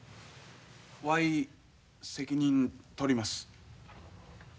わい責任取ります。